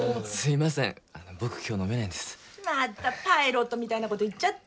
またパイロットみたいな事言っちゃって。